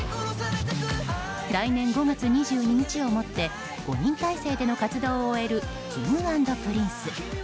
来年５月２２日をもって５人体制での活動を終えるＫｉｎｇ＆Ｐｒｉｎｃｅ。